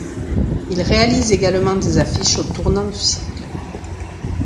Il réalise également des affiches au tournant du siècle.